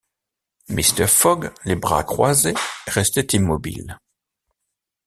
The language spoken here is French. Mr. Fogg, les bras croisés, restait immobile.